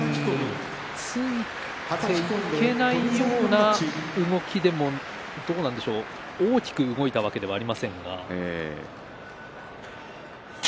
ついていけないような動きでも、どうなんでしょう大きく動いたわけではありませんが。